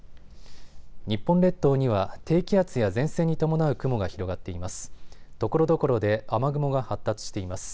日本列島には低気圧や前線に伴う雲が広がっています。